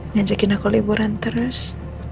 ngajakin aku liburan terus